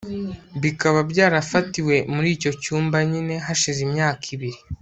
bikaba byarafatiwe muri icyo cyumba nyine, hashize imyaka ibiri